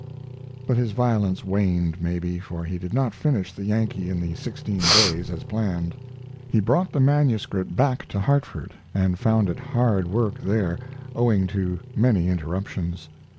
But his violence waned, maybe, for he did not finish the Yankee in the sixteen days as planned. He brought the manuscript back to Hartford, but found it hard work there, owing to many interruptions.